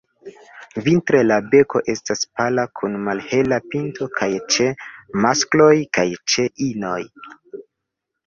Vintre la beko estas pala kun malhela pinto kaj ĉe maskloj kaj ĉe inoj.